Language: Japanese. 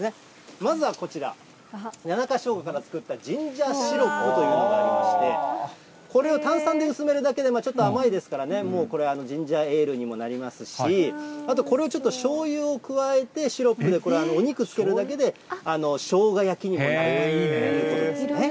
まずはこちら、谷中ショウガで作ったジンジャーシロップというのがありまして、これを炭酸で薄めるだけで、ちょっと甘いですからね、もうこれ、ジンジャーエールにもなりますし、あと、これをちょっとしょうゆを加えて、シロップでお肉漬けるだけで、しょうが焼きにもなるということです。